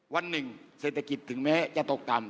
วันหนึ่งเศรษฐกิจถึงแม้จะตกต่ำ